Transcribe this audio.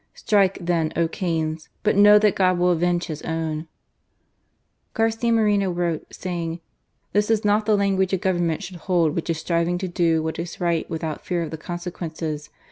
Strike, then, O Cains; but know that God will avenge His own "), Garcia Moreno wrote, saying : "This is not the language a Government should hold which is striving to do what is right without fear of the consequences.